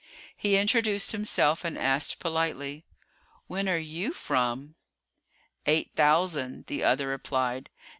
He introduced himself and asked politely: "When are you from?" "8000," the other replied.